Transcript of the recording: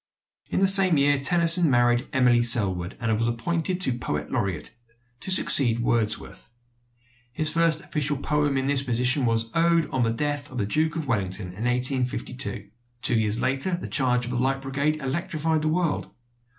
In the same year Tennyson married Emily Sellwood, and was appointed poet laureate to succeed Wordsworth. His first official poem in this position was the "Ode on the Death of the Duke of Wellington" in 1852. Two years later "The Charge of the Light Brigade" electrified the world.